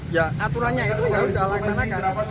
ya aturannya itu al loksanakan